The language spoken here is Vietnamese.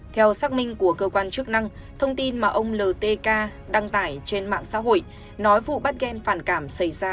theo xác minh của cơ quan chức năng thông tin mà ông l t k đăng tải trên mạng xã hội nói vụ bắt ghen phản cảm xảy ra